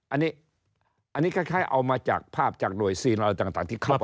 อันนี้อันนี้คล้ายเอามาจากภาพจากหน่วยซีนอะไรต่างที่เข้าไป